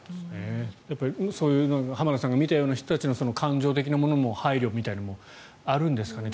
そういう浜田さんが見たような人たちの感情的なものへの配慮もあるんですかね。